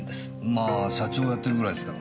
まあ社長をやってるぐらいですからね。